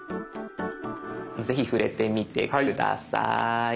ぜひ触れてみて下さい。